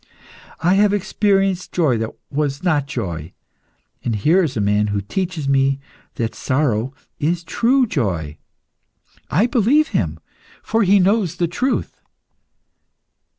I have experienced joy that was not joy, and here is a man who teaches me that sorrow is true joy. I believe him, for he knows the truth."